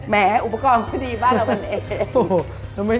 แหมอุปกรณ์ดีบ้านเรากันเอง